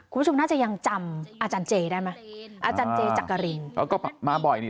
คุณผู้ชมน่าจะยังจำอาจารย์เจได้ไหมอาจารย์เจจักรินอ๋อก็มาบ่อยนี่